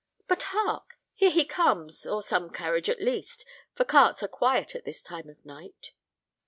But hark! here he comes, or some carriage, at least, for carts are quiet at this time of night."